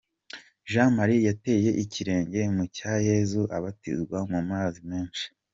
Jean Marie yateye ikirenge mu cya Yesu abatizwa mu mazi menshi.